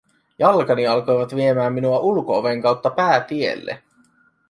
Jalkani alkoivat viemään minua ulko-oven kautta päätielle.